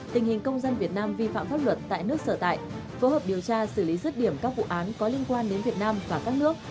tình hình công dân việt nam vi phạm pháp luật tại nước sở tại phối hợp điều tra xử lý rứt điểm các vụ án có liên quan đến việt nam và các nước